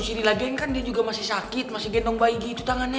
masih dilagein kan dia juga masih sakit masih gendong bayi gitu tangannya